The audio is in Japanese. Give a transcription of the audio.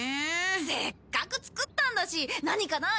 せっかく作ったんだし何かない？